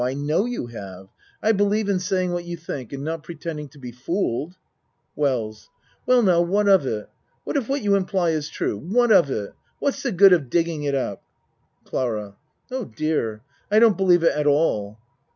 I have you know. I believe in ACT II 65 saying what you think and not pretending to be fooled. WELLS Well, now, what of it? What if what you imply is true. What of it? What's the good of digging it up? CLARA Oh, dear! I don't believe it at all.